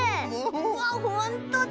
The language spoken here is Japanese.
うわっほんとだ！